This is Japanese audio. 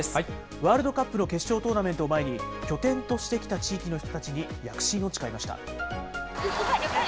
ワールドカップの決勝トーナメントを前に、拠点としてきた地域の人たちに躍進を誓いました。